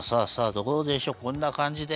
どうでしょうこんなかんじで。